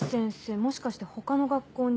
もしかして他の学校に？